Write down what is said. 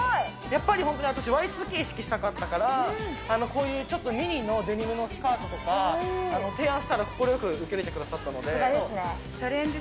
やっぱり、本当に私、Ｙ２Ｋ意識したかったから、こういうミニのデニムのスカートとか、提案したら、快く受け入れチャレンジ